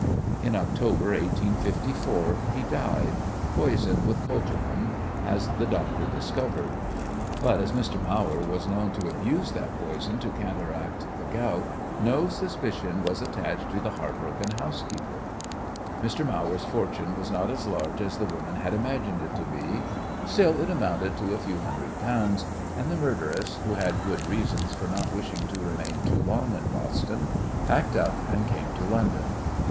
In October, 1854, he died, poisoned with colchicum, as the doctor discovered; but, as Mr. Mawer was known to have used that poison to counteract the gout, no suspicion was attached to the "heartbroken" housekeeper. Mr. Mawer's fortune was not as large as the woman had imagined it to be. Still, it amounted to a few hundred pounds, and the murderess, who had good reasons for not wishing to remain too long in Boston, packed up and came to London.